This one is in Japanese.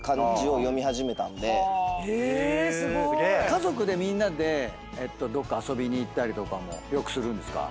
家族でみんなでどっか遊びに行ったりとかもよくするんですか？